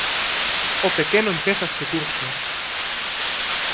O pequeno empeza este curso.